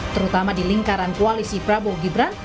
terutama di lingkaran koalisi prabowo gibran